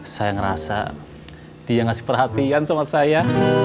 saya ngerasa dia ngasih perhatian sama saya